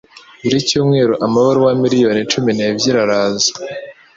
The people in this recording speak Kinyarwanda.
Buri cyumweru amabaruwa miliyoni cumi nebyeri araza